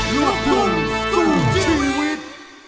ยกตุ่มสู้ชีวิต